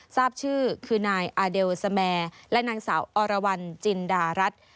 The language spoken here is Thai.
ทราบชื่อคือนายอาเดลสแมร์และนางสาวอรวรรณจินดารัฐ